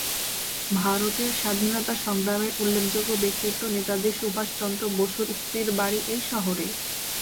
ভারতের স্বাধীনতা সংগ্রামের উল্লেখযোগ্য ব্যক্তিত্ব নেতাজী সুভাষ চন্দ্র বসুর স্ত্রীর বাড়ি এই শহরে।